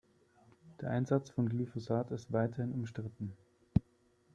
Der Einsatz von Glyphosat ist weiterhin umstritten.